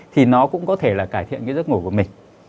thì nó cũng có thể là cải thiện cái giấc ngủ của mình